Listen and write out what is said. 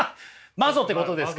マゾってことですか。